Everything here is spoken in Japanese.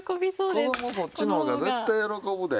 子供そっちの方が絶対喜ぶで。